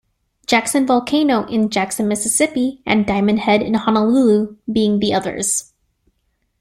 Jackson Volcano in Jackson, Mississippi and Diamond Head in Honolulu being the others.